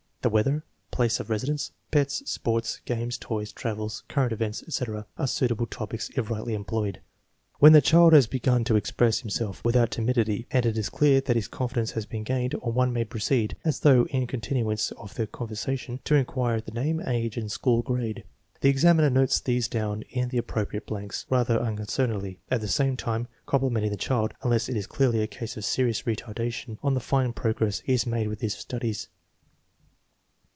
The weather, place of residence, pets, sports, games, toys, travels, current events, etc., are suitable topics if rightly employed. When the child has begun to express himself without timidity and it is clear that his confidence has been gained, one may proceed, as though in continu ance of the conversation, to inquire the name, age, and school grade. The examiner notes these down in the ap propriate blanks, rather unconcernedly, at the same time complimenting the child (unless it is clearly a case of serious INSTRUCTIONS FOR USING 125 retardation) on the fine progress lie has made with his studies.